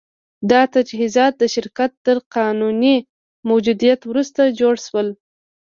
دا تجهیزات د شرکت تر قانوني موجودیت وروسته جوړ شول